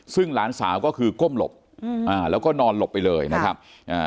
ซึ่งหลานสาวก็คือก้มหลบอืมอ่าแล้วก็นอนหลบไปเลยนะครับอ่า